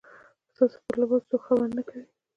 ستاسو پر لباس څوک خبره نه کوي.